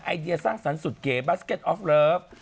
ไอเดียสร้างสรรค์สุดเก๋บัสเก็ตออฟเลิฟ